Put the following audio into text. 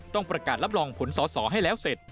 ต้องประกาศรับรองผลสอสอให้แล้วเสร็จ